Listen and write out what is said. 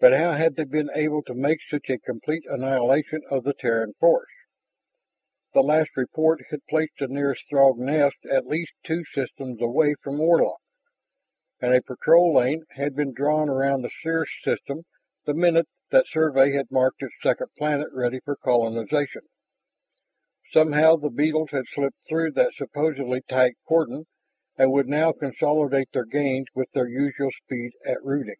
But how had they been able to make such a complete annihilation of the Terran force? The last report had placed the nearest Throg nest at least two systems away from Warlock. And a patrol lane had been drawn about the Circe system the minute that Survey had marked its second planet ready for colonization. Somehow the beetles had slipped through that supposedly tight cordon and would now consolidate their gains with their usual speed at rooting.